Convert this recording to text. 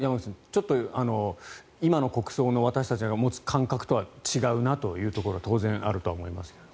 ちょっと今の国葬の私たちが持つ感覚とは違うなというところが当然あるとは思いますが。